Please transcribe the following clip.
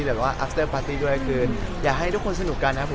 ตราสิ่งที่อยากให้กลับรอบเป็นนิ่งค่ะ